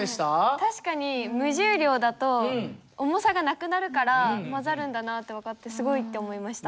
確かに無重量だと「重さ」がなくなるから混ざるんだなって分かってすごいって思いました。